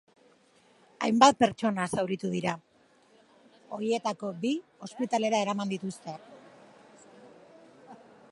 Hainbat pertsona zauritu dira, horietatik bi ospitalera eraman dituzte.